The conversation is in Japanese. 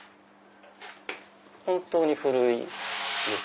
本当にふるいです。